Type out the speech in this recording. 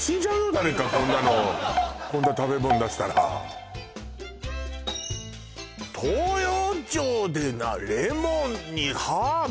誰かこんなのこんな食べ物出したら東陽町でレモンにハーブ